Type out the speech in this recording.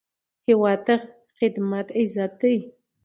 هیواد ته خدمت عزت دی